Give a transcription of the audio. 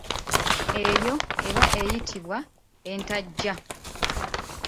Eyo eba eyitibwa entaggya.